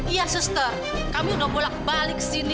iya sester kami udah bolak balik ke sini